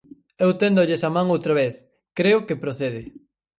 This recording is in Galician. Eu téndolles a man outra vez, creo que procede.